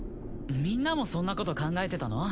みんなもそんなこと考えてたの？